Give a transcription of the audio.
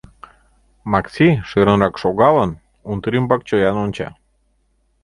Макси, шӧрынрак шогалын, унтер ӱмбак чоян онча.